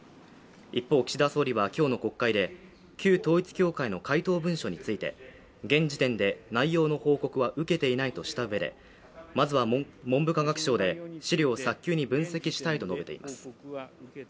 一方岸田総理は今日の国会で旧統一教会の回答文書について現時点で内容の報告は受けていないとしたうえでまずはも文部科学省で資料を早急に分析したいと述べています